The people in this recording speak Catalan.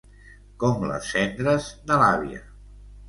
Com les cendres de l'àvia...